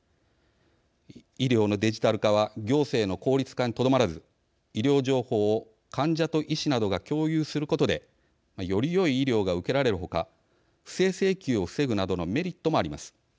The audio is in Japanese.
医療のデジタル化は行政の効率化にとどまらず医療情報を患者と医師などが共有することでよりよい医療が受けられる他不正請求を防ぐなどのメリットもあります。